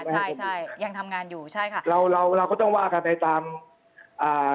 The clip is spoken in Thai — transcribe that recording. ใช่ใช่ยังทำงานอยู่ใช่ค่ะเราเราก็ต้องว่ากันไปตามอ่า